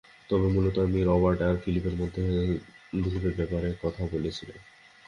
তবে মূলত, আমি রবার্ট আর ফিলিপের ব্যাপারে কথা বলছিলাম।